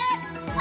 わ！